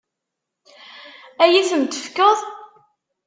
Ad iyi-ten-tefkeḍ?